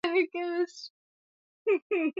na kufunga magoli atakayo kwa ubora na burudani